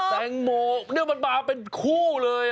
แตงโมนี่มันมาเป็นคู่เลย